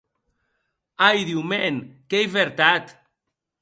Ai, Diu mèn, qu'ei vertat!